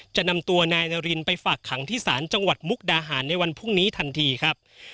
จะนำตัวนายนารินไปฝากขังที่ศาลจังหวัดมุกดาหารในวันพรุ่งนี้ทันทีครับ